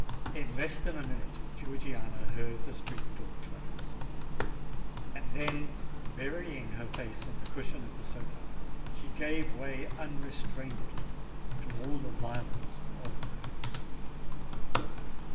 In less than a minute Georgiana heard the street door close; and then, burying her face in the cushion of the sofa, she gave way unrestrainedly to all the violence of her grief.